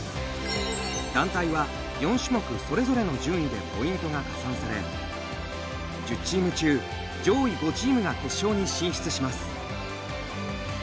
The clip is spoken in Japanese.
団体は４種目それぞれの順位でポイントが加算され１０チーム中、上位５チームが決勝に進出します。